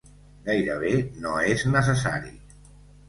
Gairebé no és necessari.